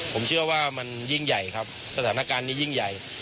ผมเชื่อว่ามันยิ่งใหญ่ครับสถานการณ์นี้ยิ่งใหญ่